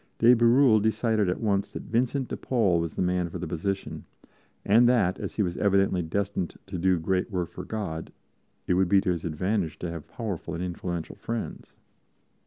De Bérulle decided at once that Vincent de Paul was the man for the position and that, as he was evidently destined to do great work for God, it would be to his advantage to have powerful and influential friends.